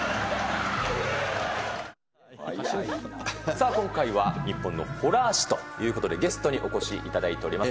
さあ、今回は日本のホラー史ということで、ゲストにお越しいただいております。